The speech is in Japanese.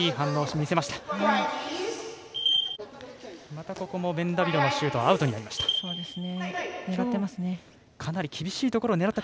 またここもベンダビドのシュートアウトになりました。